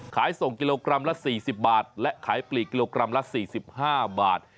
ขายส่งกิโลกรัมละ๔๐บาทและขายปลีกกิโลกรัมละ๔๕บาท